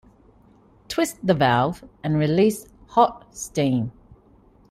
Twist the valve and release hot steam.